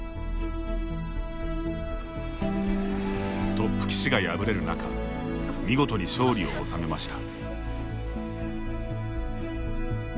トップ棋士が敗れる中見事に勝利を収めました。